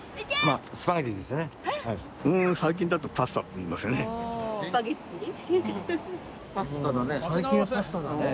最近だとパスタって言いますよね。